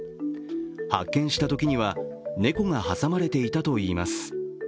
発見したときには、猫が挟まれていたといいます。